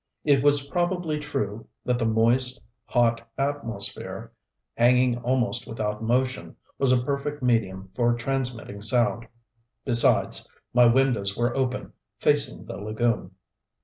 It was probably true that the moist, hot atmosphere, hanging almost without motion, was a perfect medium for transmitting sound. Besides, my windows were open, facing the lagoon.